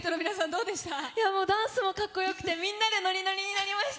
ダンスもかっこよくてみんなでノリノリになりました。